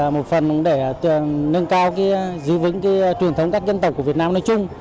một phần để nâng cao giữ vững truyền thống các dân tộc của việt nam nói chung